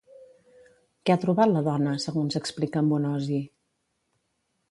Què ha trobat la dona, segons explica en Bonosi?